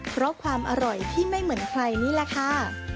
เพราะความอร่อยที่ไม่เหมือนใครนี่แหละค่ะ